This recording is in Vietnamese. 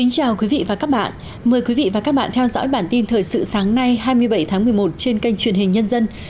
chào mừng quý vị đến với bản tin thời sự sáng nay hai mươi bảy tháng một mươi một trên kênh truyền hình nhân dân